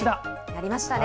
やりましたね。